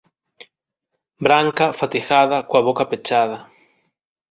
Branca, fatigada, coa boca pechada.